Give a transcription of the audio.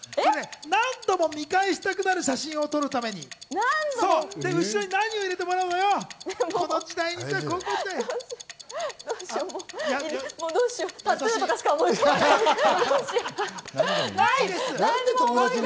何度も見返したくなる写真を撮るために、後ろに何を入れてもらうのよ、高校時代。